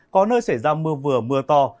có nơi xảy ra mưa vừa mưa to